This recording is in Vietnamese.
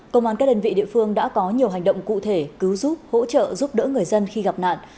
công an các đơn vị địa phương đã có nhiều hành động cụ thể cứu giúp hỗ trợ giúp đỡ người dân khi gặp nạn